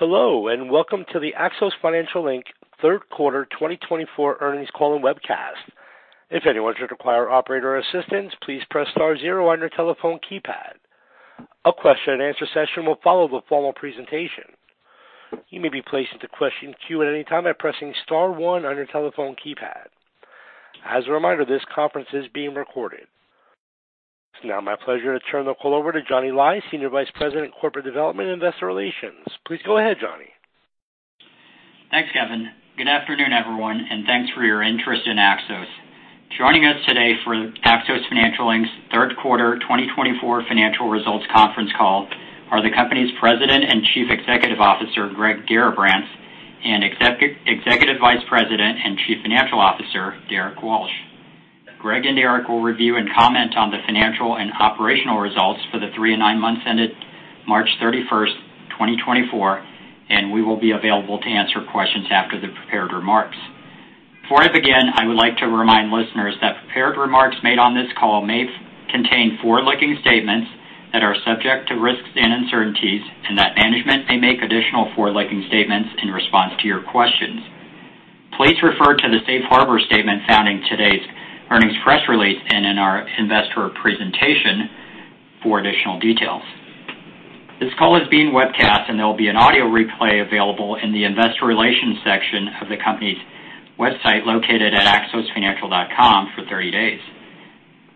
Hello, and welcome to the Axos Financial, Inc Third Quarter 2024 Earnings Call and Webcast. If anyone should require operator assistance, please press star zero on your telephone keypad. A question-and-answer session will follow the formal presentation. You may be placed into question queue at any time by pressing star one on your telephone keypad. As a reminder, this conference is being recorded. It's now my pleasure to turn the call over to Johnny Lai, Senior Vice President, Corporate Development, Investor Relations. Please go ahead, Johnny. Thanks, Kevin. Good afternoon, everyone, and thanks for your interest in Axos. Joining us today for the Axos Financial, Inc Third Quarter 2024 Financial Results Conference Call are the company's President and Chief Executive Officer, Greg Garrabrants, and Executive Vice President and Chief Financial Officer, Derrick Walsh. Greg and Derrick will review and comment on the financial and operational results for the 3 and 9 months ended March 31, 2024, and we will be available to answer questions after the prepared remarks. Before I begin, I would like to remind listeners that prepared remarks made on this call may contain forward-looking statements that are subject to risks and uncertainties, and that management may make additional forward-looking statements in response to your questions. Please refer to the safe harbor statement found in today's earnings press release and in our investor presentation for additional details. This call is being webcast, and there will be an audio replay available in the investor relations section of the company's website, located at axosfinancial.com, for 30 days.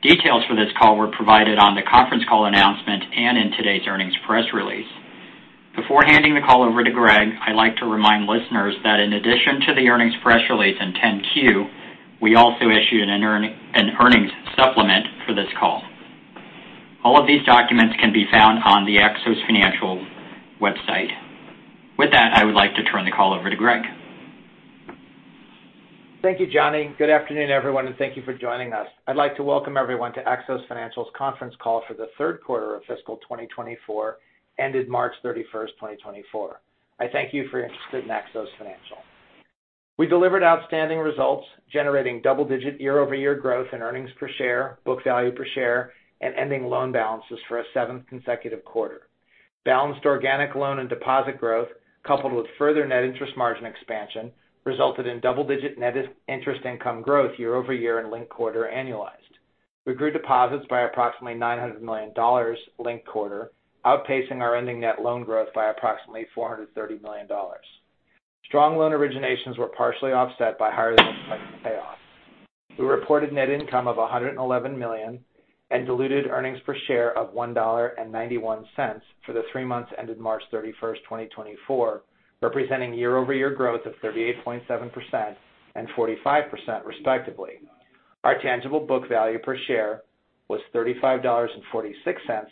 Details for this call were provided on the conference call announcement and in today's earnings press release. Before handing the call over to Greg, I'd like to remind listeners that in addition to the earnings press release and 10-Q, we also issued an earnings supplement for this call. All of these documents can be found on the Axos Financial website. With that, I would like to turn the call over to Greg. Thank you, Johnny. Good afternoon, everyone, and thank you for joining us. I'd like to welcome everyone to Axos Financial's conference call for the third quarter of fiscal 2024, ended March 31, 2024. I thank you for your interest in Axos Financial. We delivered outstanding results, generating double-digit year-over-year growth in earnings per share, book value per share, and ending loan balances for a seventh consecutive quarter. Balanced organic loan and deposit growth, coupled with further net interest margin expansion, resulted in double-digit net interest income growth year-over-year and linked-quarter annualized. We grew deposits by approximately $900 million linked quarter, outpacing our ending net loan growth by approximately $430 million. Strong loan originations were partially offset by higher payoffs. We reported net income of $111 million and diluted earnings per share of $1.91 for the three months ended March 31, 2024, representing year-over-year growth of 38.7% and 45%, respectively. Our tangible book value per share was $35.46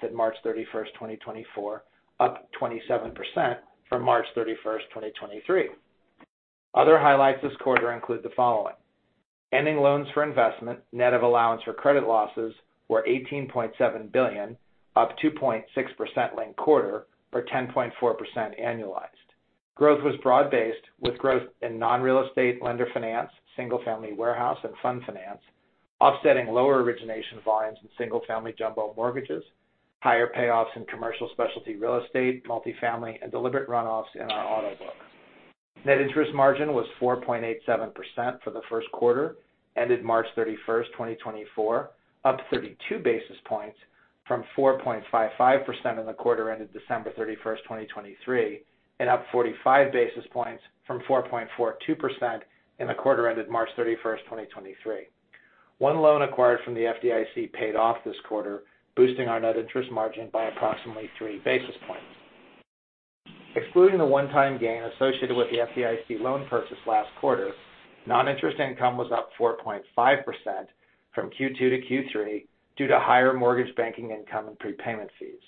at March 31, 2024, up 27% from March 31, 2023. Other highlights this quarter include the following: ending loans for investment, net of allowance for credit losses, were $18.7 billion, up 2.6% linked quarter, or 10.4% annualized. Growth was broad-based, with growth in non-real estate, lender finance, single-family warehouse, and fund finance, offsetting lower origination volumes in single-family jumbo mortgages, higher payoffs in commercial specialty real estate, multifamily, and deliberate runoffs in our auto book. Net interest margin was 4.87% for the first quarter, ended March 31, 2024, up 32 basis points from 4.55% in the quarter ended December 31, 2023, and up 45 basis points from 4.42% in the quarter ended March 31, 2023. One loan acquired from the FDIC paid off this quarter, boosting our net interest margin by approximately 3 basis points. Excluding the one-time gain associated with the FDIC loan purchase last quarter, non-interest income was up 4.5% from Q2 to Q3 due to higher mortgage banking income and prepayment fees.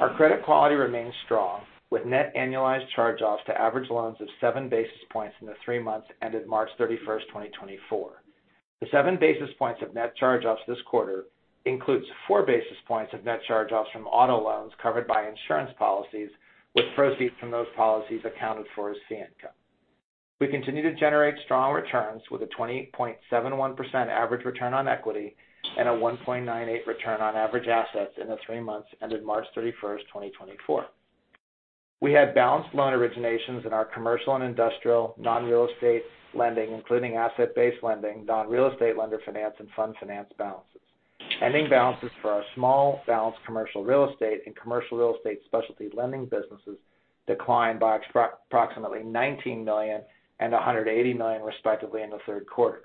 Our credit quality remains strong, with net annualized charge-offs to average loans of 7 basis points in the three months ended March 31, 2024. The 7 basis points of net charge-offs this quarter includes 4 basis points of net charge-offs from auto loans covered by insurance policies, with proceeds from those policies accounted for as fee income. We continue to generate strong returns with a 20.71% average return on equity and a 1.98 return on average assets in the three months ended March 31, 2024. We had balanced loan originations in our commercial and industrial non-real estate lending, including asset-based lending, non-real estate lender finance, and fund finance balances. Ending balances for our small balance commercial real estate and commercial real estate specialty lending businesses declined by approximately $19 million and $180 million, respectively, in the third quarter.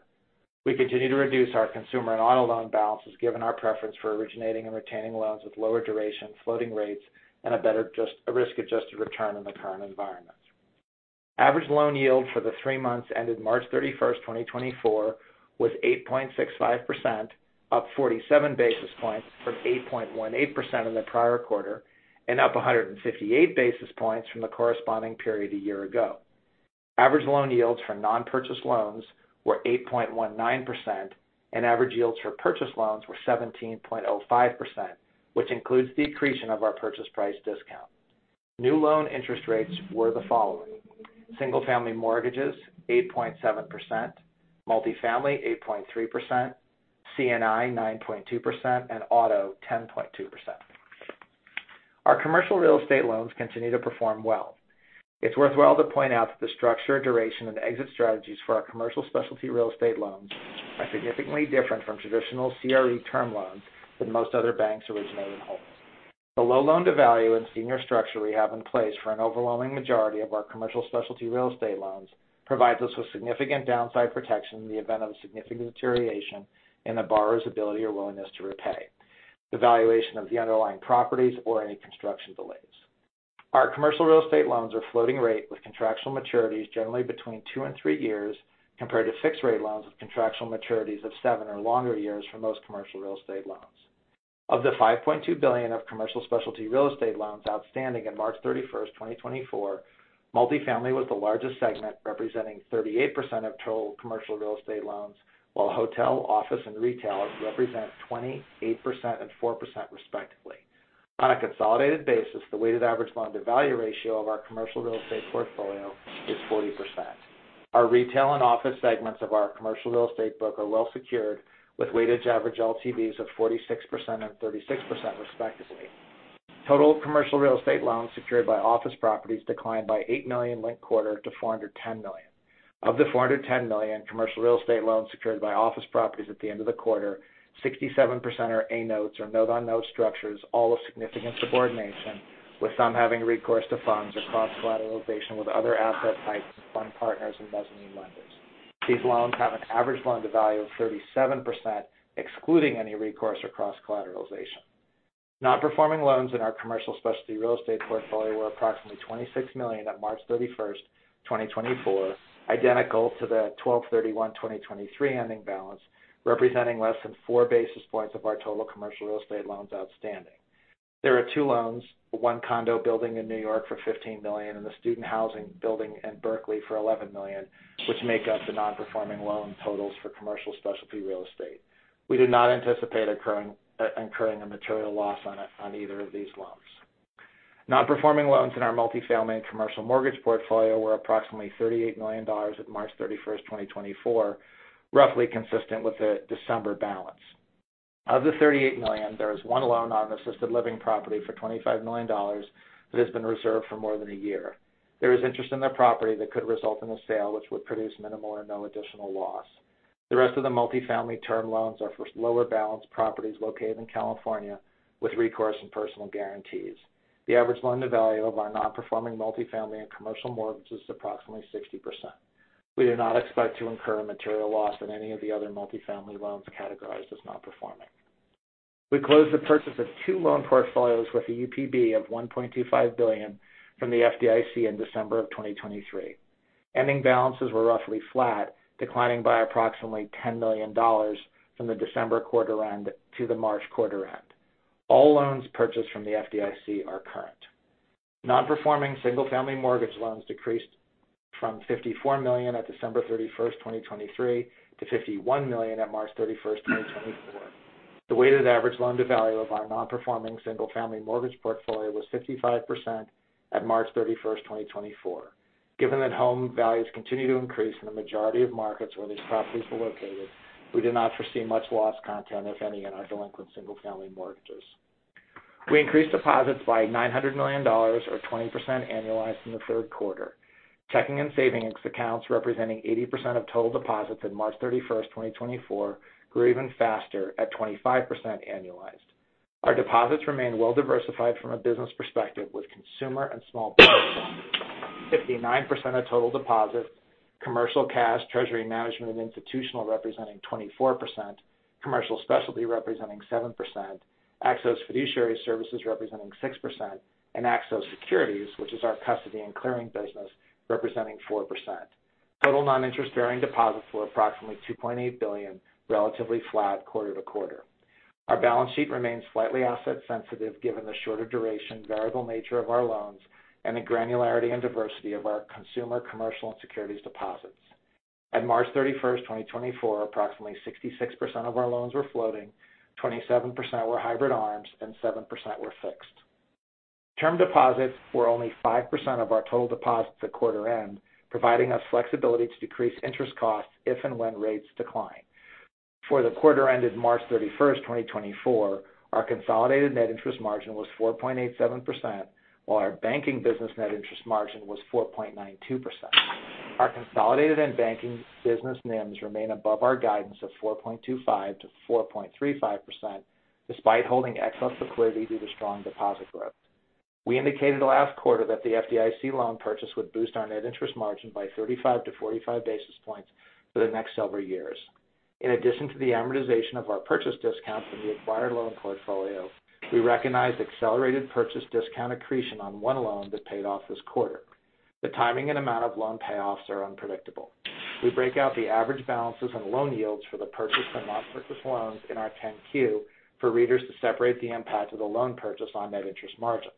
We continue to reduce our consumer and auto loan balances, given our preference for originating and retaining loans with lower duration, floating rates, and a better risk-adjusted return in the current environment. Average loan yield for the three months ended March 31, 2024, was 8.65%, up 47 basis points from 8.18% in the prior quarter and up 158 basis points from the corresponding period a year ago. Average loan yields for non-purchase loans were 8.19%, and average yields for purchase loans were 17.05%, which includes the accretion of our purchase price discount. New loan interest rates were the following: single-family mortgages, 8.7%; multifamily, 8.3%; C&I, 9.2%, and auto, 10.2%. Our commercial real estate loans continue to perform well. It's worthwhile to point out that the structure, duration, and exit strategies for our commercial specialty real estate loans are significantly different from traditional CRE term loans than most other banks originate and hold. The low loan-to-value and senior structure we have in place for an overwhelming majority of our commercial specialty real estate loans provides us with significant downside protection in the event of a significant deterioration in the borrower's ability or willingness to repay, the valuation of the underlying properties, or any construction delays. Our commercial real estate loans are floating rate, with contractual maturities generally between 2 and 3 years, compared to fixed-rate loans with contractual maturities of 7 or longer years for most commercial real estate loans. Of the $5.2 billion of Commercial Specialty Real Estate loans outstanding at March 31, 2024, multifamily was the largest segment, representing 38% of total Commercial Real Estate loans, while hotel, office, and retail represent 28% and 4%, respectively. On a consolidated basis, the weighted average loan-to-value ratio of our Commercial Real Estate portfolio is 40%. Our retail and office segments of our Commercial Real Estate book are well secured, with weighted average LTVs of 46% and 36%, respectively. Total Commercial Real Estate loans secured by office properties declined by $8 million linked-quarter to $410 million. Of the $410 million commercial real estate loans secured by office properties at the end of the quarter, 67% are A notes or note-on-note structures, all with significant subordination, with some having recourse to funds or cross-collateralization with other asset types, fund partners, and mezzanine lenders. These loans have an average loan-to-value of 37%, excluding any recourse or cross-collateralization. Non-performing loans in our commercial specialty real estate portfolio were approximately $26 million at March 31, 2024, identical to the December 31, 2023 ending balance, representing less than 4 basis points of our total commercial real estate loans outstanding. There are two loans, one condo building in New York for $15 million and the student housing building in Berkeley for $11 million, which make up the non-performing loan totals for commercial specialty real estate. We do not anticipate incurring a material loss on either of these loans. Non-performing loans in our multifamily and commercial mortgage portfolio were approximately $38 million at March 31, 2024, roughly consistent with the December balance. Of the $38 million, there is one loan on an assisted living property for $25 million that has been reserved for more than a year. There is interest in the property that could result in a sale, which would produce minimal or no additional loss. The rest of the multifamily term loans are for lower-balance properties located in California, with recourse and personal guarantees. The average loan-to-value of our non-performing multifamily and commercial mortgages is approximately 60%. We do not expect to incur a material loss on any of the other multifamily loans categorized as not performing. We closed the purchase of two loan portfolios with a UPB of $1.25 billion from the FDIC in December 2023. Ending balances were roughly flat, declining by approximately $10 million from the December quarter end to the March quarter end. All loans purchased from the FDIC are current. Non-performing single-family mortgage loans decreased from $54 million at December 31, 2023, to $51 million at March 31, 2024. The weighted average loan-to-value of our non-performing single-family mortgage portfolio was 55% at March 31, 2024. Given that home values continue to increase in the majority of markets where these properties are located, we do not foresee much loss content, if any, in our delinquent single-family mortgages. We increased deposits by $900 million, or 20% annualized in the third quarter. Checking and savings accounts, representing 80% of total deposits in March 31, 2024, grew even faster at 25% annualized. Our deposits remain well-diversified from a business perspective, with consumer and small business, 59% of total deposits, commercial, cash, treasury management, and institutional representing 24%, commercial specialty representing 7%, Axos Fiduciary Services representing 6%, and Axos Securities, which is our custody and clearing business, representing 4%. Total non-interest-bearing deposits were approximately $2.8 billion, relatively flat quarter-over-quarter. Our balance sheet remains slightly asset sensitive, given the shorter duration variable nature of our loans and the granularity and diversity of our consumer, commercial, and securities deposits. At March 31, 2024, approximately 66% of our loans were floating, 27% were hybrid ARMs, and 7% were fixed. Term deposits were only 5% of our total deposits at quarter end, providing us flexibility to decrease interest costs if and when rates decline. For the quarter ended March 31, 2024, our consolidated net interest margin was 4.87%, while our banking business net interest margin was 4.92%. Our consolidated and banking business NIMs remain above our guidance of 4.25%-4.35%, despite holding excess liquidity due to strong deposit growth. We indicated last quarter that the FDIC loan purchase would boost our net interest margin by 35-45 basis points for the next several years. In addition to the amortization of our purchase discount from the acquired loan portfolio, we recognized accelerated purchase discount accretion on one loan that paid off this quarter. The timing and amount of loan payoffs are unpredictable. We break out the average balances and loan yields for the purchased and non-purchased loans in our 10-Q for readers to separate the impact of the loan purchase on net interest margins.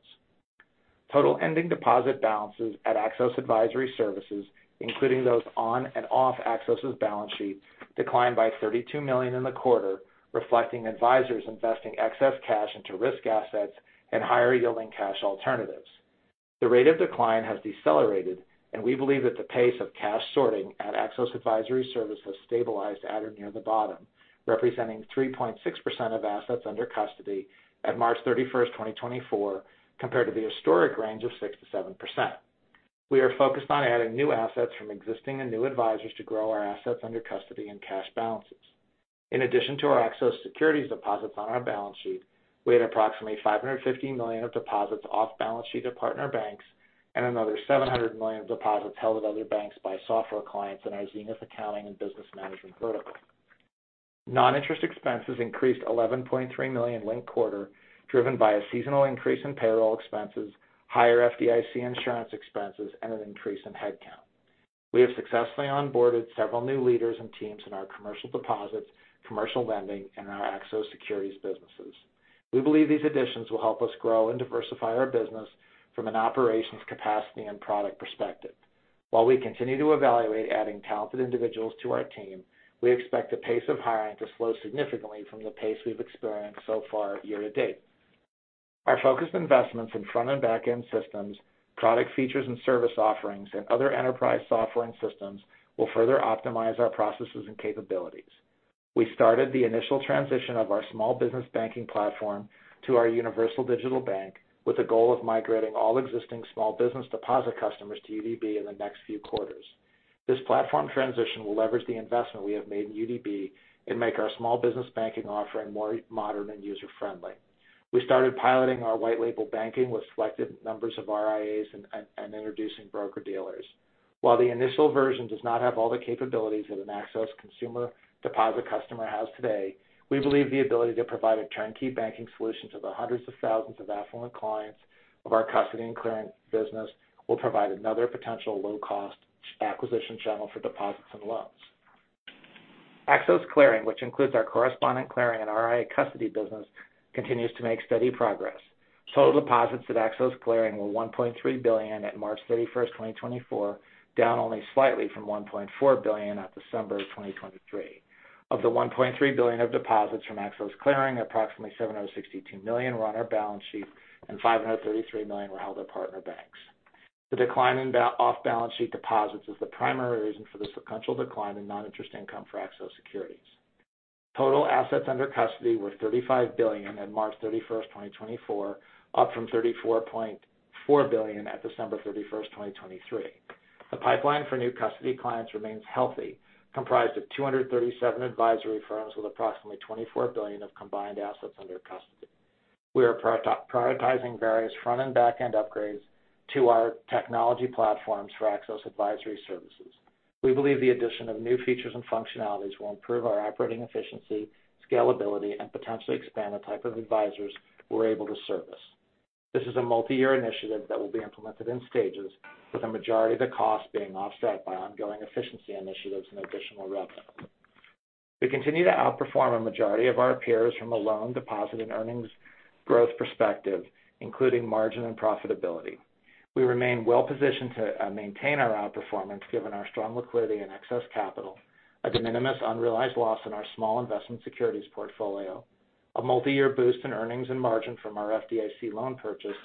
Total ending deposit balances at Axos Advisor Services, including those on and off Axos's balance sheet, declined by $32 million in the quarter, reflecting advisors investing excess cash into risk assets and higher-yielding cash alternatives. The rate of decline has decelerated, and we believe that the pace of cash sorting at Axos Advisor Services has stabilized at or near the bottom, representing 3.6% of assets under custody at March 31, 2024, compared to the historic range of 6%-7%. We are focused on adding new assets from existing and new advisors to grow our assets under custody and cash balances. In addition to our Axos Securities deposits on our balance sheet, we had approximately $550 million of deposits off balance sheet at partner banks and another $700 million of deposits held at other banks by software clients in our Zenith Accounting and Business Management vertical. Non-interest expenses increased $11.3 million linked-quarter, driven by a seasonal increase in payroll expenses, higher FDIC insurance expenses, and an increase in headcount. We have successfully onboarded several new leaders and teams in our commercial deposits, commercial lending, and our Axos Securities businesses. We believe these additions will help us grow and diversify our business from an operations, capacity, and product perspective. While we continue to evaluate adding talented individuals to our team, we expect the pace of hiring to slow significantly from the pace we've experienced so far year to date. Our focused investments in front and back-end systems, product features and service offerings, and other enterprise software and systems will further optimize our processes and capabilities. We started the initial transition of our small business banking platform to our Universal Digital Bank, with the goal of migrating all existing small business deposit customers to UDB in the next few quarters. This platform transition will leverage the investment we have made in UDB and make our small business banking offering more modern and user-friendly. We started piloting our white label banking with selected numbers of RIAs and introducing broker-dealers. While the initial version does not have all the capabilities that an Axos consumer deposit customer has today, we believe the ability to provide a turnkey banking solution to the hundreds of thousands of affluent clients of our custody and clearing business will provide another potential low-cost acquisition channel for deposits and loans. Axos Clearing, which includes our correspondent clearing and RIA custody business, continues to make steady progress. Total deposits at Axos Clearing were $1.3 billion at March 31, 2024, down only slightly from $1.4 billion at December 2023. Of the $1.3 billion of deposits from Axos Clearing, approximately $762 million were on our balance sheet and $533 million were held at partner banks. The decline in off-balance-sheet deposits is the primary reason for the sequential decline in non-interest income for Axos Securities. Total assets under custody were $35 billion on March 31, 2024, up from $34.4 billion at December 31, 2023. The pipeline for new custody clients remains healthy, comprised of 237 advisory firms with approximately $24 billion of combined assets under custody. We are prioritizing various front and back-end upgrades to our technology platforms for Axos Advisor Services. We believe the addition of new features and functionalities will improve our operating efficiency, scalability, and potentially expand the type of advisors we're able to service. This is a multi-year initiative that will be implemented in stages, with a majority of the costs being offset by ongoing efficiency initiatives and additional revenue. We continue to outperform a majority of our peers from a loan, deposit, and earnings growth perspective, including margin and profitability. We remain well positioned to maintain our outperformance, given our strong liquidity and excess capital, a de minimis unrealized loss in our small investment securities portfolio, a multi-year boost in earnings and margin from our FDIC loan purchase,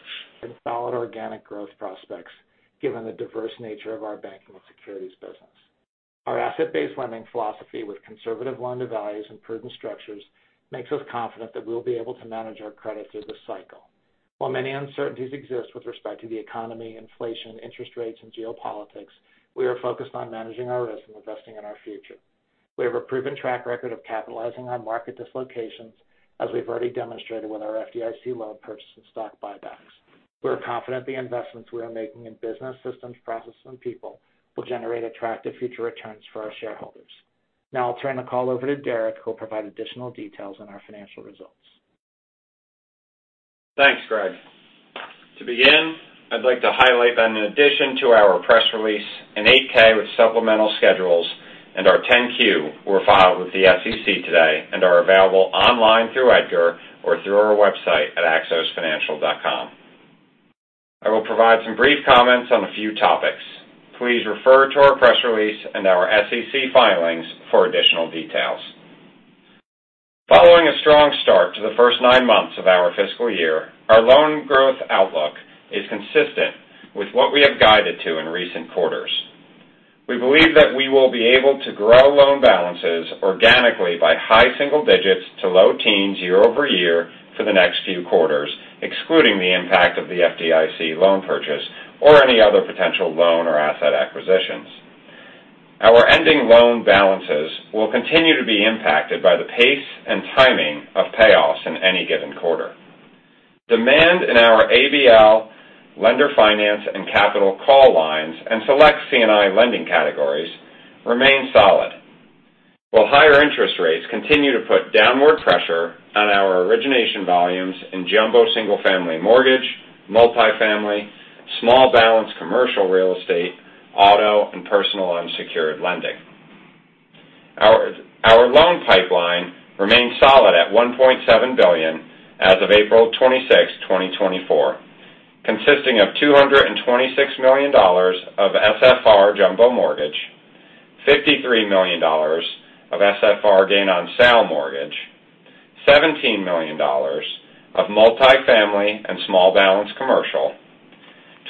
and solid organic growth prospects, given the diverse nature of our banking and securities business. Our asset-based lending philosophy, with conservative loan-to-value and prudent structures, makes us confident that we'll be able to manage our credit through this cycle. While many uncertainties exist with respect to the economy, inflation, interest rates, and geopolitics, we are focused on managing our risk and investing in our future. We have a proven track record of capitalizing on market dislocations, as we've already demonstrated with our FDIC loan purchase and stock buybacks. We are confident the investments we are making in business systems, processes, and people will generate attractive future returns for our shareholders. Now I'll turn the call over to Derrick, who will provide additional details on our financial results. Thanks, Greg. To begin, I'd like to highlight that in addition to our press release, an 8-K with supplemental schedules and our 10-Q were filed with the SEC today and are available online through EDGAR or through our website at axosfinancial.com. I will provide some brief comments on a few topics. Please refer to our press release and our SEC filings for additional details. Following a strong start to the first nine months of our fiscal year, our loan growth outlook is consistent with what we have guided to in recent quarters. We believe that we will be able to grow loan balances organically by high single digits to low teens year-over-year for the next few quarters, excluding the impact of the FDIC loan purchase or any other potential loan or asset acquisitions. Our ending loan balances will continue to be impacted by the pace and timing of payoffs in any given quarter. Demand in our ABL, lender finance, and capital call lines, and select C&I lending categories remain solid, while higher interest rates continue to put downward pressure on our origination volumes in jumbo single-family mortgage, multifamily, small balance commercial real estate, auto, and personal unsecured lending. Our loan pipeline remains solid at $1.7 billion as of April 26, 2024, consisting of $226 million of SFR jumbo mortgage, $53 million of SFR gain on sale mortgage, $17 million of multifamily and small balance commercial,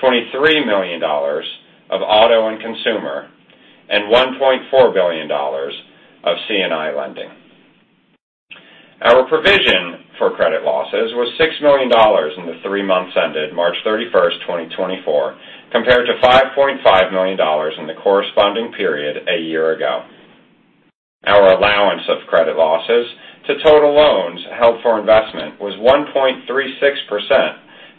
$23 million of auto and consumer, and $1.4 billion of C&I lending. Our provision for credit losses was $6 million in the three months ended March 31, 2024, compared to $5.5 million in the corresponding period a year ago. Our allowance of credit losses to total loans held for investment was 1.36%,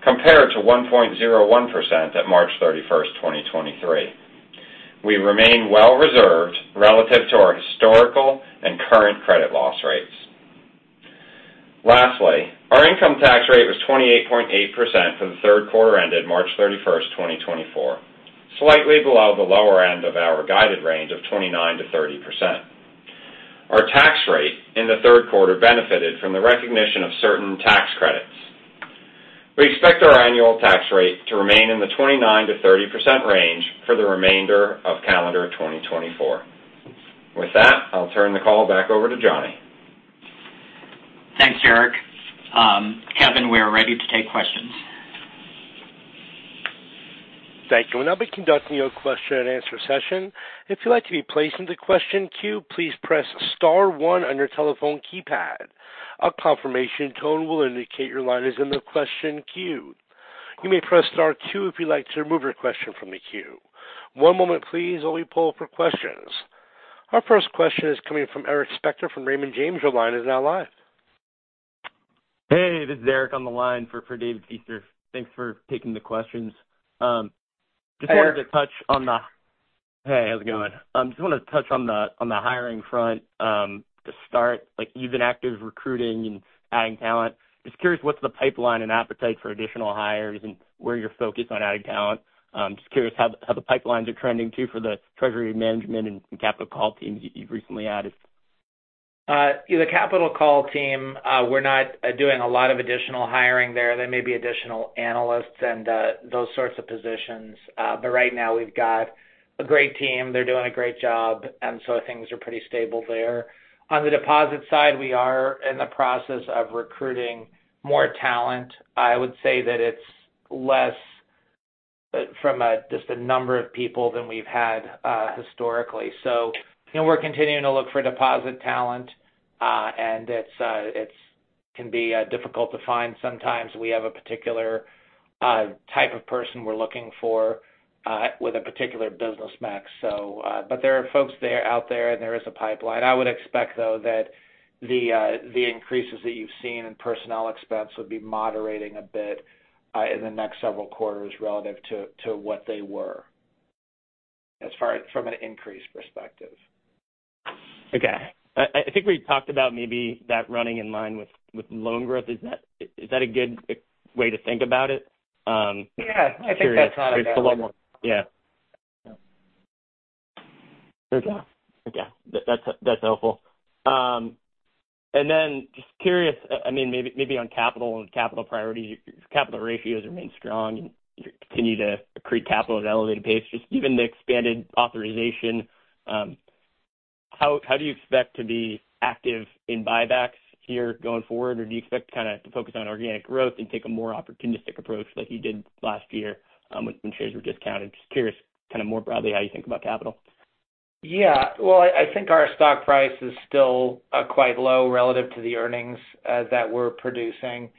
compared to 1.01% at March 31st, 2023. We remain well reserved relative to our historical and current credit loss rates. Lastly, our income tax rate was 28.8% for the third quarter ended March 31st, 2024, slightly below the lower end of our guided range of 29%-30%. Our tax rate in the third quarter benefited from the recognition of certain tax credits. We expect our annual tax rate to remain in the 29%-30% range for the remainder of calendar 2024. With that, I'll turn the call back over to Johnny. Thanks, Derrick. Kevin, we are ready to take questions. Thank you. And I'll be conducting your question and answer session. If you'd like to be placed into question queue, please press star one on your telephone keypad. A confirmation tone will indicate your line is in the question queue. You may press star two if you'd like to remove your question from the queue. One moment please, while we pull for questions. Our first question is coming from Eric Spector from Raymond James. Your line is now live. Hey, this is Eric on the line for David Feaster. Thanks for taking the questions. Just wanted to touch on the Hey Hey, how's it going? Just wanted to touch on the hiring front to start, like, you've been active recruiting and adding talent. Just curious, what's the pipeline and appetite for additional hires and where you're focused on adding talent? Just curious how the pipelines are trending too for the treasury management and capital call teams you've recently added. The capital call team, we're not doing a lot of additional hiring there. There may be additional analysts and, those sorts of positions, but right now we've got a great team. They're doing a great job, and so things are pretty stable there. On the deposit side, we are in the process of recruiting more talent. I would say that it's less from a, just a number of people than we've had, historically. So, you know, we're continuing to look for deposit talent, and it can be difficult to find sometimes. We have a particular, type of person we're looking for, with a particular business mix. So, but there are folks out there, and there is a pipeline. I would expect, though, that the increases that you've seen in personnel expense would be moderating a bit in the next several quarters relative to what they were, as far as from an increase perspective. Okay. I think we talked about maybe that running in line with loan growth. Is that a good way to think about it? Yeah, I think that's how it is. Yeah. Okay. Okay, that's, that's helpful. And then just curious, I mean, maybe, maybe on capital and capital priority, capital ratios remain strong. You continue to accrete capital at an elevated pace, just given the expanded authorization. How do you expect to be active in buybacks here going forward? Or do you expect to kind of focus on organic growth and take a more opportunistic approach like you did last year, when shares were discounted? Just curious, kind of more broadly, how you think about capital. Yeah. Well, I think our stock price is still quite low relative to the earnings that we're producing.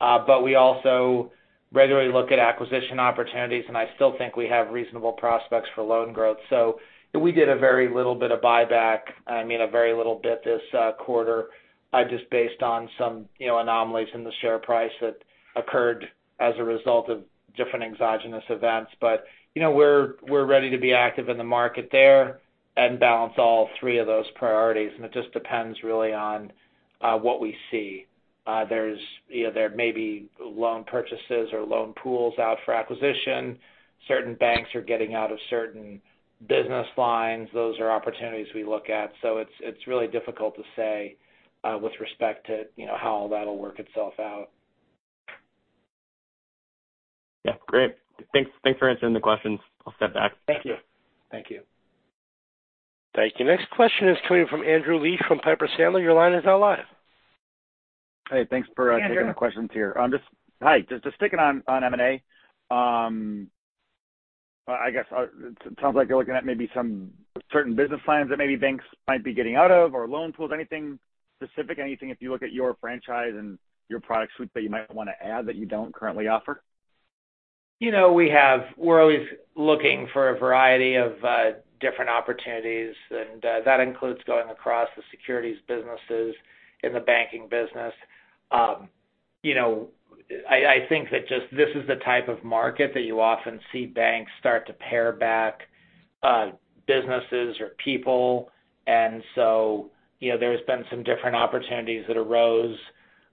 But we also regularly look at acquisition opportunities, and I still think we have reasonable prospects for loan growth. So we did a very little bit of buyback, I mean, a very little bit this quarter, just based on some, you know, anomalies in the share price that occurred as a result of different exogenous events. But, you know, we're ready to be active in the market there and balance all three of those priorities, and it just depends really on what we see. There's you know, there may be loan purchases or loan pools out for acquisition. Certain banks are getting out of certain business lines. Those are opportunities we look at. It's really difficult to say with respect to, you know, how all that'll work itself out. Yeah, great. Thanks, thanks for answering the questions. I'll step back. Thank you. Thank you. Thank you. Next question is coming from Andrew Liesch from Piper Sandler. Your line is now live. Hey, thanks for Hey, Andrew taking the questions here. Just sticking on M&A. I guess it sounds like you're looking at maybe some certain business lines that maybe banks might be getting out of or loan pools. Anything specific? Anything if you look at your franchise and your product suite that you might want to add that you don't currently offer? You know, we have, we're always looking for a variety of different opportunities, and that includes going across the securities businesses in the banking business. You know, I think that just this is the type of market that you often see banks start to pare back businesses or people. And so, you know, there's been some different opportunities that arose,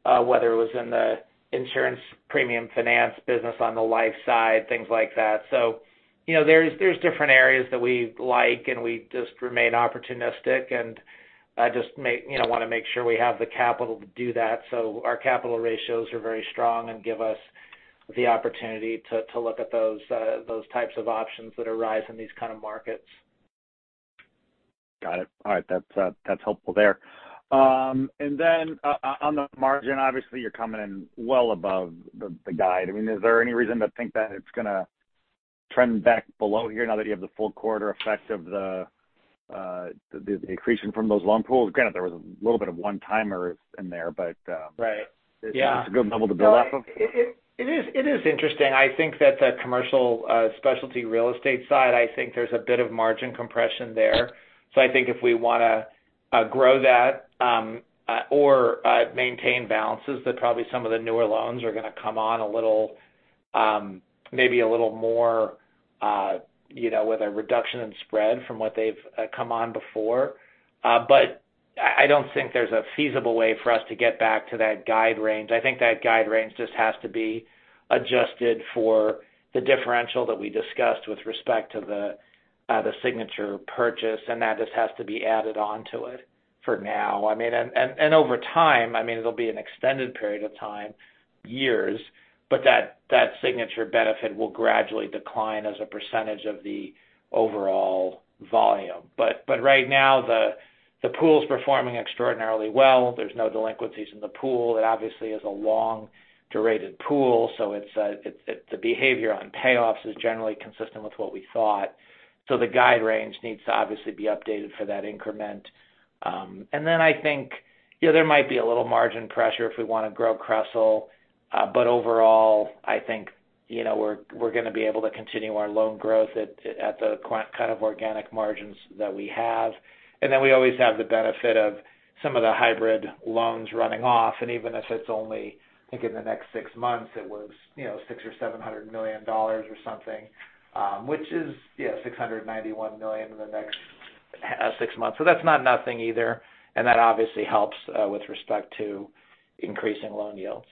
whether it was in the insurance premium finance business, on the life side, things like that. So, you know, there's different areas that we like, and we just remain opportunistic, and just want to make sure we have the capital to do that. So our capital ratios are very strong and give us the opportunity to look at those types of options that arise in these kind of markets. Got it. All right, that's helpful there. And then, on the margin, obviously, you're coming in well above the guide. I mean, is there any reason to think that it's gonna trend back below here now that you have the full quarter effect of the accretion from those loan pools? Granted, there was a little bit of one-timer in there, but, Right. Yeah. It's a good level to build off of? It is interesting. I think that the Commercial Specialty Real Estate side, I think there's a bit of margin compression there. So I think if we wanna grow that or maintain balances, that probably some of the newer loans are gonna come on a little, maybe a little more, you know, with a reduction in spread from what they've come on before. But I don't think there's a feasible way for us to get back to that guide range. I think that guide range just has to be adjusted for the differential that we discussed with respect to the Signature purchase, and that just has to be added onto it for now. I mean, and over time, I mean, it'll be an extended period of time, years, but that Signature benefit will gradually decline as a percentage of the overall volume. But right now, the pool is performing extraordinarily well. There's no delinquencies in the pool. It obviously is a long-durated pool, so it's the behavior on payoffs is generally consistent with what we thought. So the guide range needs to obviously be updated for that increment. And then I think, you know, there might be a little margin pressure if we wanna grow cross sell. But overall, I think, you know, we're, we're gonna be able to continue our loan growth at, at the kind of organic margins that we have. And then we always have the benefit of some of the hybrid loans running off. Even if it's only, I think, in the next six months, it was, you know, $600 million or $700 million or something, which is, yeah, $691 million in the next six months. That's not nothing either, and that obviously helps with respect to increasing loan yields.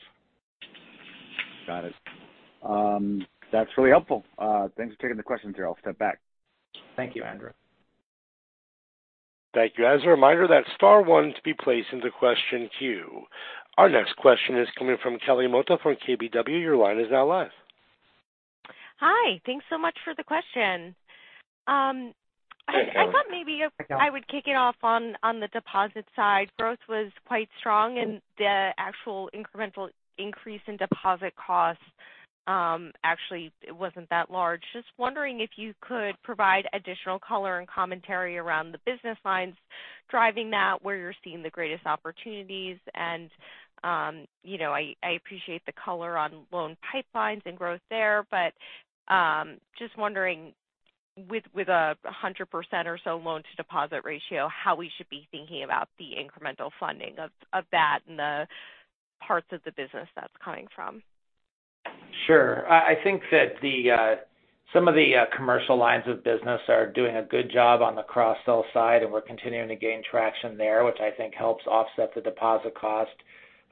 Got it. That's really helpful. Thanks for taking the question, Derrick. I'll step back. Thank you, Andrew. Thank you. As a reminder, that's star one to be placed into question queue. Our next question is coming from Kelly Motta from KBW. Your line is now live. Hi, thanks so much for the question. I thought maybe if I would kick it off on the deposit side, growth was quite strong, and the actual incremental increase in deposit costs, actually it wasn't that large. Just wondering if you could provide additional color and commentary around the business lines driving that, where you're seeing the greatest opportunities, and, you know, I appreciate the color on loan pipelines and growth there, but, just wondering, with 100% or so loan to deposit ratio, how we should be thinking about the incremental funding of that and the parts of the business that's coming from? Sure. I think that some of the commercial lines of business are doing a good job on the cross-sell side, and we're continuing to gain traction there, which I think helps offset the deposit cost.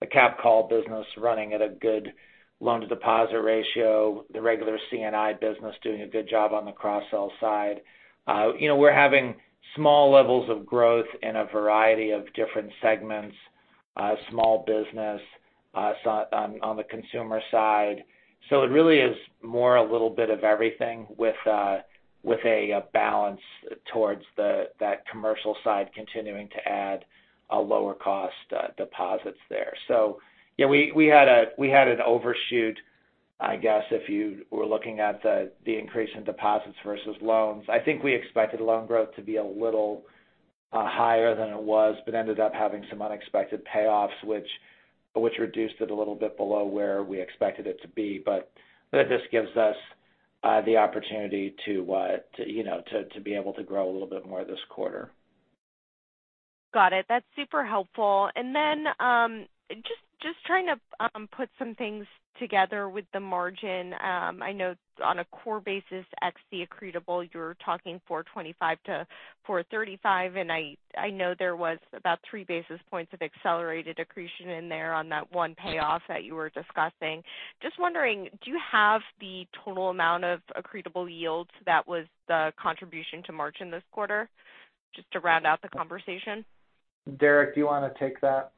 The cap call business running at a good loan-to-deposit ratio, the regular C&I business doing a good job on the cross-sell side. You know, we're having small levels of growth in a variety of different segments, small business, so on, on the consumer side. So it really is more a little bit of everything with a balance towards that commercial side, continuing to add a lower cost deposits there. So yeah, we had an overshoot, I guess, if you were looking at the increase in deposits versus loans. I think we expected loan growth to be a little higher than it was, but ended up having some unexpected payoffs, which reduced it a little bit below where we expected it to be. But it just gives us the opportunity to, you know, to be able to grow a little bit more this quarter. Got it. That's super helpful. And then, just trying to put some things together with the margin. I know on a core basis, XC accretable, you're talking 425-435, and I know there was about three basis points of accelerated accretion in there on that one payoff that you were discussing. Just wondering, do you have the total amount of accretable yields that was the contribution to margin this quarter? Just to round out the conversation. Derrick, do you want to take that?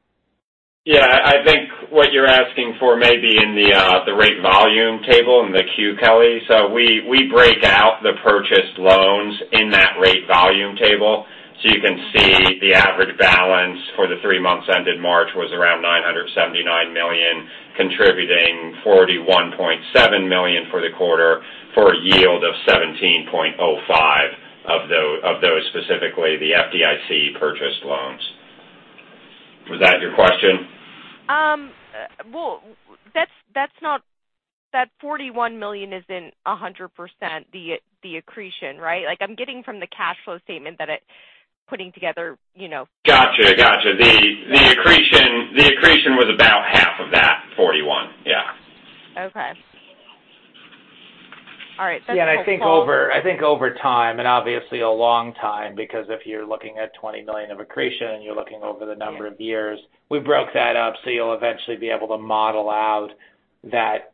Yeah. I think what you're asking for may be in the, the rate volume table in the Q, Kelly. So we, we break out the purchased loans in that rate volume table. So you can see the average balance for the three months ended March was around $979 million, contributing $41.7 million for the quarter, for a yield of 17.05% of those, specifically the FDIC purchased loans. Was that your question? Well, that's, that's not. That $41 million isn't 100% the, the accretion, right? Like, I'm getting from the cash flow statement that it putting together, you know. Gotcha. Gotcha. The accretion was about half of that 41. Yeah. Okay. All right. Yeah, I think over time, and obviously a long time, because if you're looking at $20 million of accretion, you're looking over the number of years we broke that up. So you'll eventually be able to model out that,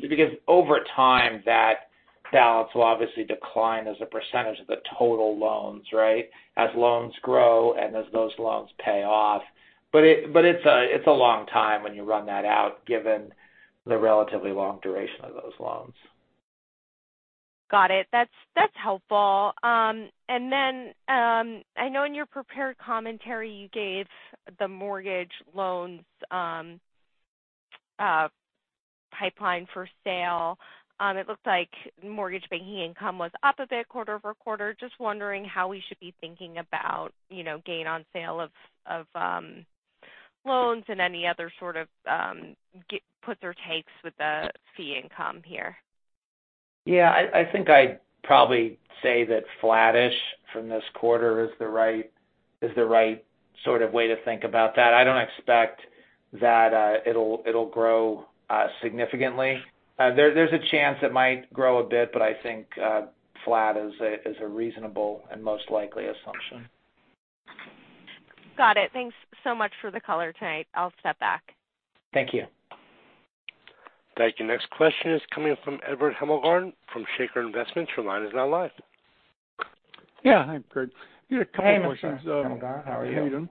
because over time, that balance will obviously decline as a percentage of the total loans, right? As loans grow and as those loans pay off. But it's a long time when you run that out, given the relatively long duration of those loans. Got it. That's, that's helpful. And then, I know in your prepared commentary, you gave the mortgage loans pipeline for sale. It looked like mortgage banking income was up a bit quarter-over-quarter. Just wondering how we should be thinking about, you know, gain on sale of, of, loans and any other sort of puts or takes with the fee income here. Yeah, I think I'd probably say that flattish from this quarter is the right sort of way to think about that. I don't expect that it'll grow significantly. There's a chance it might grow a bit, but I think flat is a reasonable and most likely assumption. Got it. Thanks so much for the color tonight. I'll step back. Thank you. Thank you. Next question is coming from Edward Hemmelgarn from Shaker Investments. Your line is now live. Yeah. Hi, Greg Hey, Mr. Hemmelgarn. How are you? How are you doing?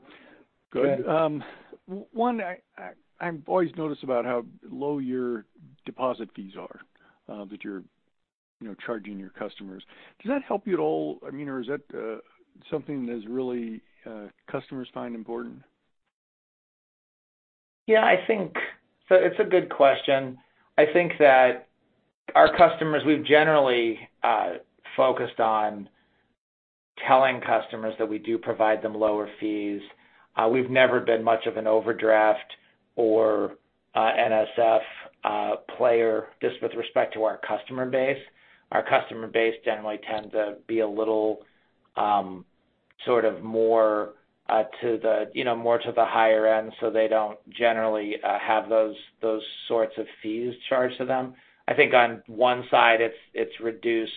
Good. Good. I've always noticed about how low your deposit fees are, that you're, you know, charging your customers. Does that help you at all? I mean, or is that something that is really customers find important? Yeah, I think. So it's a good question. I think that our customers, we've generally focused on telling customers that we do provide them lower fees. We've never been much of an overdraft or NSF player, just with respect to our customer base. Our customer base generally tend to be a little sort of more to the, you know, more to the higher end, so they don't generally have those sorts of fees charged to them. I think on one side, it's reduced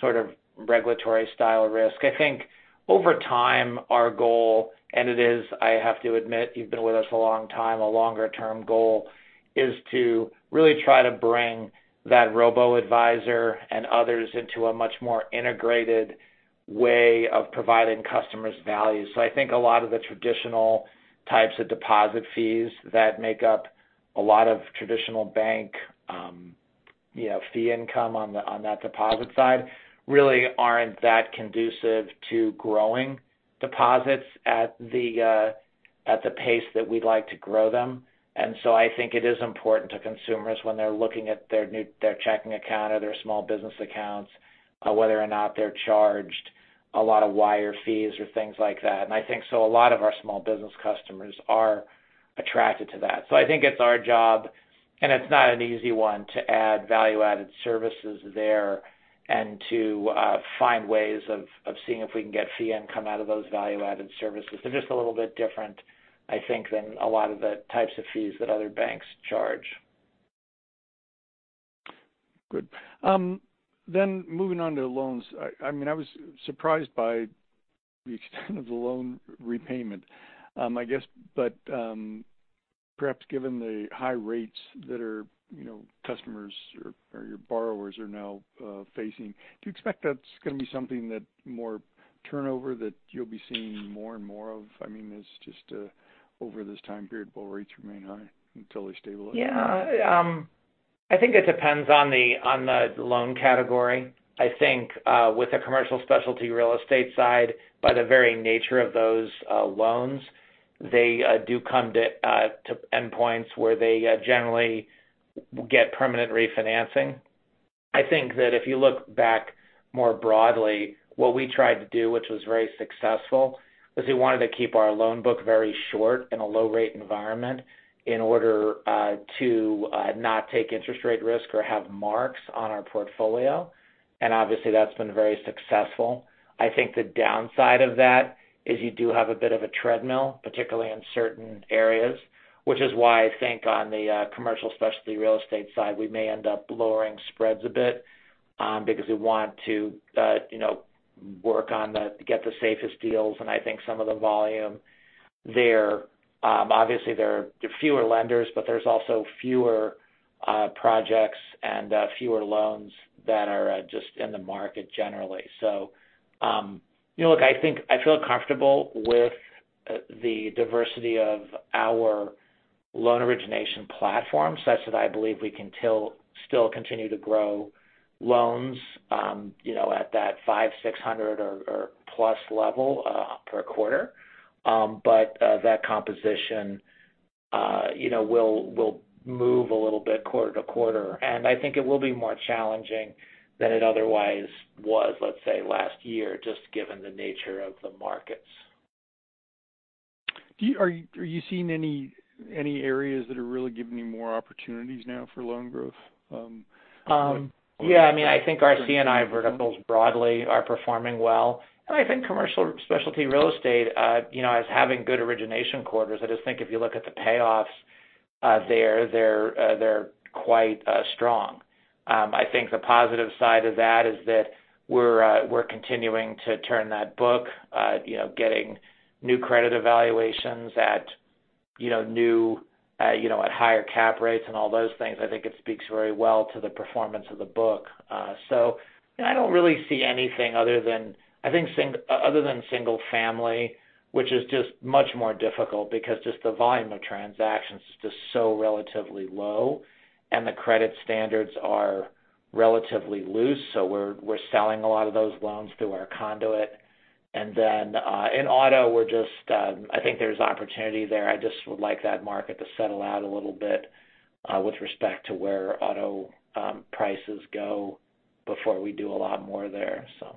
sort of regulatory style risk. I think over time, our goal, and it is, I have to admit, you've been with us a long time, a longer-term goal, is to really try to bring that robo-advisor and others into a much more integrated way of providing customers value. So I think a lot of the traditional types of deposit fees that make up a lot of traditional bank, you know, fee income on that deposit side, really aren't that conducive to growing deposits at the pace that we'd like to grow them. And so I think it is important to consumers when they're looking at their checking account or their small business accounts, whether or not they're charged a lot of wire fees or things like that. And I think so a lot of our small business customers are attracted to that. So I think it's our job, and it's not an easy one, to add value-added services there and to find ways of seeing if we can get fee income out of those value-added services. They're just a little bit different, I think, than a lot of the types of fees that other banks charge. Good. Then moving on to loans. I mean, I was surprised by the extent of the loan repayment. I guess, but, perhaps given the high rates that are, you know, customers or, or your borrowers are now facing, do you expect that's gonna be something that more turnover that you'll be seeing more and more of? I mean, it's just, over this time period, will rates remain high until they stabilize? Yeah. I think it depends on the loan category. I think, with the Commercial Specialty Real Estate side, by the very nature of those loans, they do come to endpoints, where they generally get permanent refinancing. I think that if you look back more broadly, what we tried to do, which was very successful, was we wanted to keep our loan book very short in a low-rate environment in order to not take interest rate risk or have marks on our portfolio. Obviously, that's been very successful. I think the downside of that is you do have a bit of a treadmill, particularly in certain areas, which is why I think on the commercial specialty real estate side, we may end up lowering spreads a bit, because we want to, you know, work on get the safest deals, and I think some of the volume there. Obviously, there are fewer lenders, but there's also fewer projects and fewer loans that are just in the market generally. So, you know, look, I think I feel comfortable with the diversity of our loan origination platform, such that I believe we can still continue to grow loans, you know, at that 500, 600 or plus level per quarter. But, that composition, you know, will move a little bit quarter to quarter, and I think it will be more challenging than it otherwise was, let's say, last year, just given the nature of the markets. Are you seeing any areas that are really giving you more opportunities now for loan growth? Yeah, I mean, I think our C&I verticals broadly are performing well, and I think Commercial Specialty Real Estate, you know, as having good origination quarters. I just think if you look at the payoffs, they're quite strong. I think the positive side of that is that we're continuing to turn that book, you know, getting new credit evaluations at, you know, new, you know, at higher cap rates and all those things. I think it speaks very well to the performance of the book. So I don't really see anything other than, I think other than single-family, which is just much more difficult because just the volume of transactions is just so relatively low, and the credit standards are relatively loose, so we're selling a lot of those loans through our conduit. And then, in auto, we're just, I think there's opportunity there. I just would like that market to settle out a little bit, with respect to where auto prices go before we do a lot more there, so.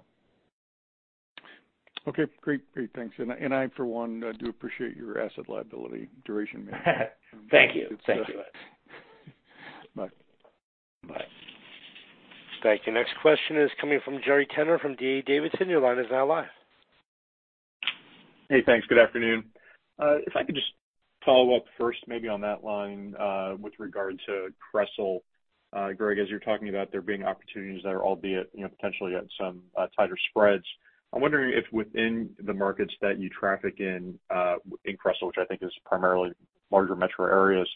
Okay, great. Great, thanks. And I, and I, for one, do appreciate your asset liability duration management. Thank you. Thank you. Bye. Bye. Thank you. Next question is coming from Gary Tenner from D.A. Davidson. Your line is now live. Hey, thanks. Good afternoon. If I could just follow up first, maybe on that line, with regard to CRESL. Greg, as you're talking about there being opportunities there, albeit, you know, potentially at some tighter spreads. I'm wondering if within the markets that you traffic in, in CRESL, which I think is primarily larger metro areas,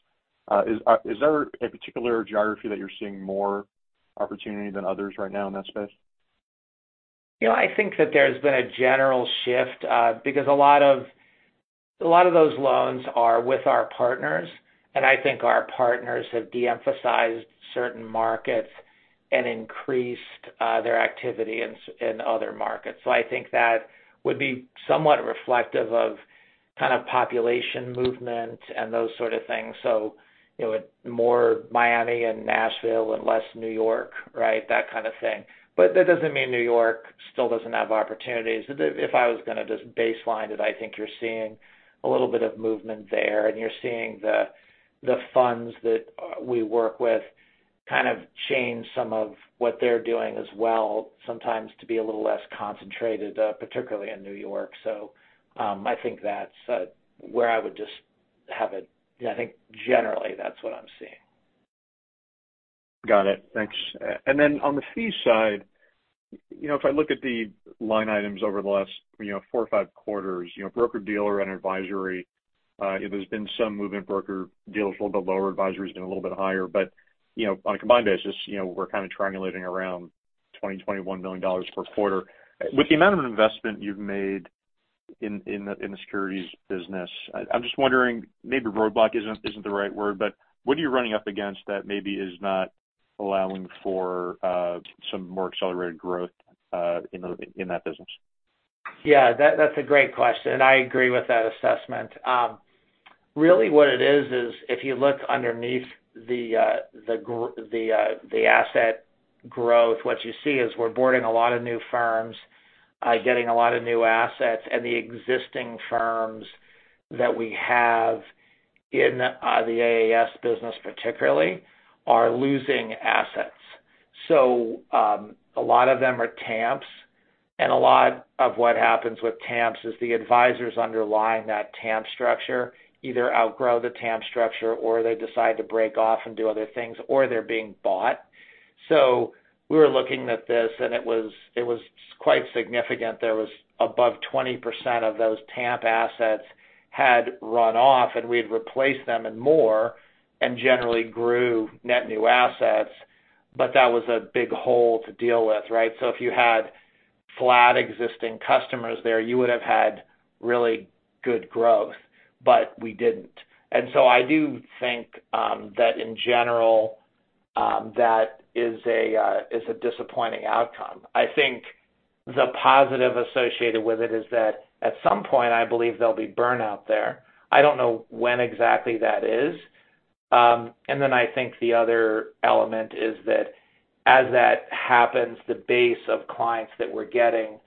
is there a particular geography that you're seeing more opportunity than others right now in that space? You know, I think that there's been a general shift, because a lot of, a lot of those loans are with our partners, and I think our partners have de-emphasized certain markets and increased, their activity in other markets. So I think that would be somewhat reflective of kind of population movement and those sort of things. So, you know, more Miami and Nashville and less New York, right? That kind of thing. But that doesn't mean New York still doesn't have opportunities. But if I was gonna just baseline it, I think you're seeing a little bit of movement there, and you're seeing the funds that, we work with kind of change some of what they're doing as well, sometimes to be a little less concentrated, particularly in New York. So, I think that's, where I would just have it. I think generally that's what I'm seeing. Got it. Thanks. And then on the fee side, you know, if I look at the line items over the last, you know, four or five quarters, you know, broker-dealer and advisory, there's been some movement. Broker-dealer's a little bit lower, advisory's been a little bit higher. But, you know, on a combined basis, you know, we're kind of triangulating around $20 million-$21 million per quarter. With the amount of investment you've made in the securities business, I'm just wondering, maybe roadblock isn't the right word, but what are you running up against that maybe is not allowing for some more accelerated growth in that business? Yeah, that's a great question, and I agree with that assessment. Really what it is, is if you look underneath the asset growth, what you see is we're boarding a lot of new firms, getting a lot of new assets, and the existing firms that we have in the AAS business particularly, are losing assets. So, a lot of them are TAMPs, and a lot of what happens with TAMPs is the advisors underlying that TAMP structure either outgrow the TAMP structure, or they decide to break off and do other things, or they're being bought. So we were looking at this, and it was quite significant. There was above 20% of those TAMP assets had run off, and we had replaced them and more, and generally grew net new assets, but that was a big hole to deal with, right? So if you had flat existing customers there, you would have had really good growth, but we didn't. And so I do think that in general that is a disappointing outcome. I think the positive associated with it is that at some point, I believe there'll be burnout there. I don't know when exactly that is. And then I think the other element is that as that happens, the base of clients that we're getting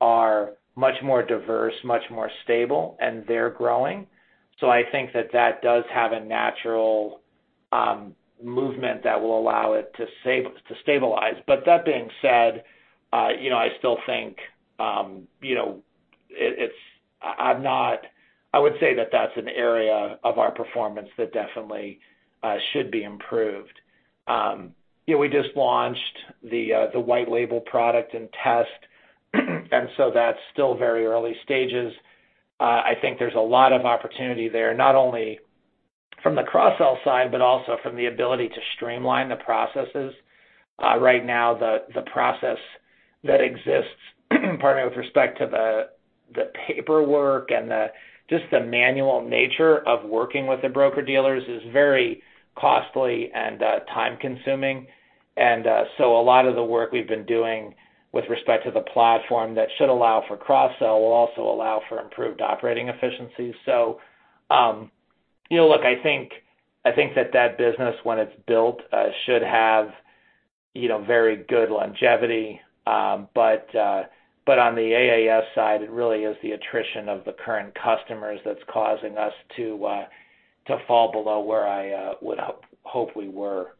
are much more diverse, much more stable, and they're growing. So I think that that does have a natural movement that will allow it to stabilize. But that being said, you know, I still think, you know, I would say that that's an area of our performance that definitely should be improved. You know, we just launched the white label product and test, and so that's still very early stages. I think there's a lot of opportunity there, not only from the cross-sell side, but also from the ability to streamline the processes. Right now, the process that exists, pardon me, with respect to the paperwork and just the manual nature of working with the broker-dealers is very costly and time-consuming. And so a lot of the work we've been doing with respect to the platform that should allow for cross-sell, will also allow for improved operating efficiency. So, you know, look, I think, I think that that business, when it's built, should have, you know, very good longevity. But, but on the AAS side, it really is the attrition of the current customers that's causing us to, to fall below where I, would hope, hope we were.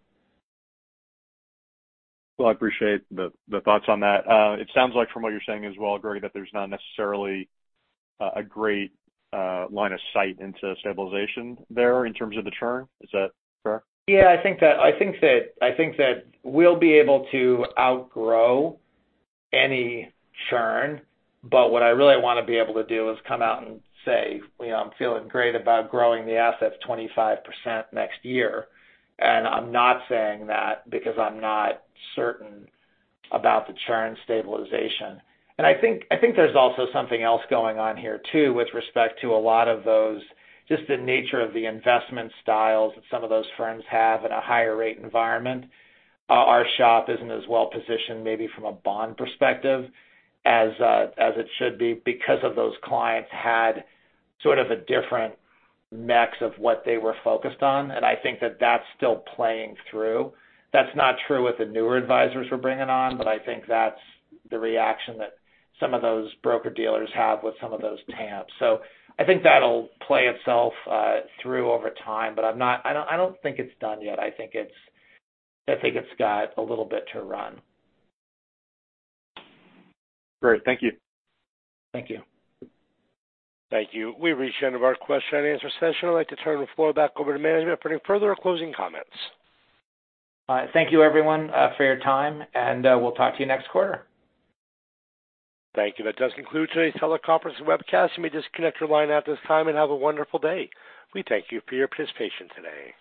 Well, I appreciate the thoughts on that. It sounds like from what you're saying as well, Greg, that there's not necessarily a great line of sight into stabilization there in terms of the churn. Is that fair? Yeah, I think that, I think that, I think that we'll be able to outgrow any churn, but what I really want to be able to do is come out and say, "You know, I'm feeling great about growing the assets 25% next year." And I'm not saying that because I'm not certain about the churn stabilization. And I think, I think there's also something else going on here, too, with respect to a lot of those, just the nature of the investment styles that some of those firms have in a higher rate environment. Our shop isn't as well-positioned, maybe from a bond perspective, as, as it should be because of those clients had sort of a different mix of what they were focused on, and I think that that's still playing through. That's not true with the newer advisors we're bringing on, but I think that's the reaction that some of those broker-dealers have with some of those TAMPs. So I think that'll play itself through over time, but I'm not—I don't, I don't think it's done yet. I think it's, I think it's got a little bit to run. Great. Thank you. Thank you. Thank you. We've reached the end of our question and answer session. I'd like to turn the floor back over to management for any further closing comments. Thank you, everyone, for your time, and we'll talk to you next quarter. Thank you. That does conclude today's teleconference and webcast. You may disconnect your line at this time, and have a wonderful day. We thank you for your participation today.